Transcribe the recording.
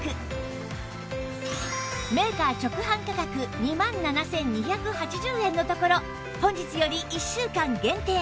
メーカー直販価格２万７２８０円のところ本日より１週間限定